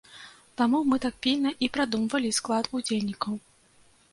Таму мы так пільна і прадумвалі склад удзельнікаў.